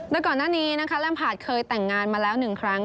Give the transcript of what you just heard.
ตัวข้อนร่วมหน้านี้นะคะลัมพาร์ทเคยแต่งงานมาแล้ว๑ครั้ง